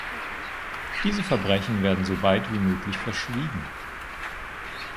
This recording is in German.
Diese Verbrechen werden so weit wie möglich verschwiegen.